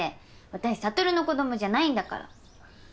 私悟の子供じゃないんだから。